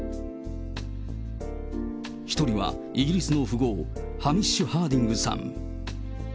１人はイギリスの富豪、ハミッシュ・ハーディングさん。